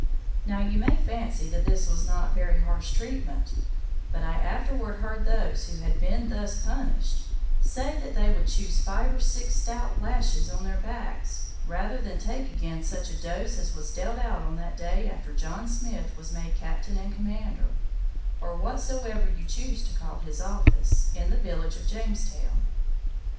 Now you may fancy that this was not very harsh treatment; but I afterward heard those who had been thus punished, say that they would choose five or six stout lashes on their backs, rather than take again such a dose as was dealt out on that day after John Smith was made captain and commander, or whatsoever you choose to call his office, in the village of Jamestown.